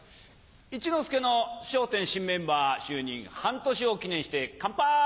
一之輔の『笑点』新メンバー就任半年を記念してカンパイ！